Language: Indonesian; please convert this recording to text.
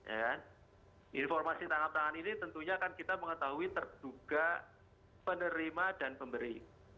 informasi tanggap tangan ini tentunya akan kita mengetahui terduga penerima dan pemberi